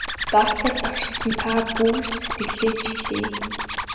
Баатар багштан та бүү сэтгэлээ чилээ!